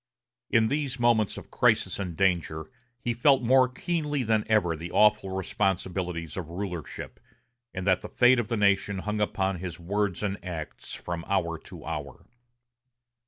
In these moments of crisis and danger he felt more keenly than ever the awful responsibilities of rulership, and that the fate of the nation hung upon his words and acts from hour to hour.